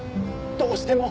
どうしても？